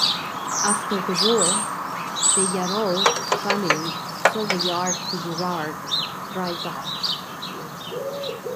After the war, the Yarrow family sold the yard to Burrard Dry Dock.